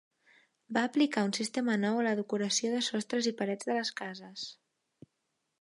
Va aplicar un sistema nou a la decoració de sostres i parets de les cases.